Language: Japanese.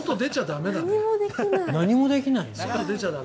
何もできない。